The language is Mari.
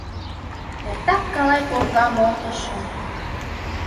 Эртак калай коҥгам олтышым.